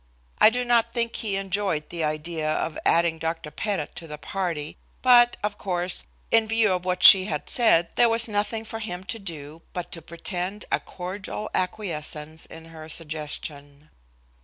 I do not think he enjoyed the idea of adding Dr. Pettit to the party, but, of course, in view of what she had said there was nothing for him to do but to pretend a cordial acquiescence in her suggestion.